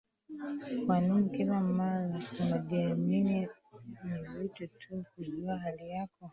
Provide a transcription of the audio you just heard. kwa nini kila mara unajiami ni vizuri tu kujua hali yako